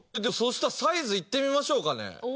そしたらサイズいってみましょうかね。